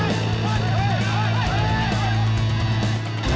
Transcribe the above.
di mana dia